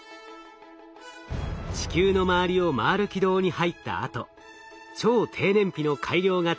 地球の周りを回る軌道に入ったあと超低燃費の改良型